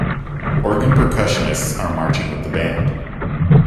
Oregon percussionists are marching with the band.